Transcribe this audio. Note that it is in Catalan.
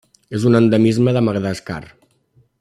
És un endemisme de Madagascar.